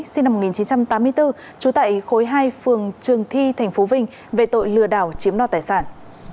sinh năm một nghìn chín trăm tám mươi bốn trú tại khối hai phường trường thi thành phố vinh về tội lừa đảo chiếm đo tài sản